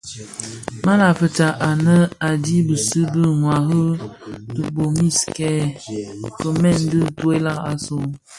Ma fitsa anë a dhi bisi bi ňwari tibomis nken kimèn dhi toilag asu,